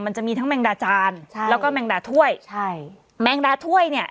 มันจะมีทั้งแมงดาจานใช่แล้วก็แมงดาถ้วยใช่แมงดาถ้วยเนี้ย